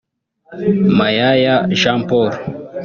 Mayaya Jean Paul